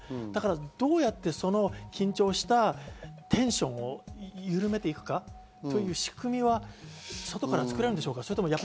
どうやってその緊張したテンションを緩めていくかという仕組みは外から作れるんでしょうか？